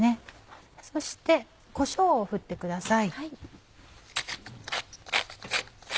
そしてこしょうを振ってください。